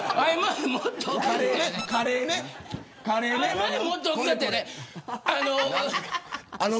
カレーね。